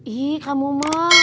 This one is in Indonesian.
ih kamu emak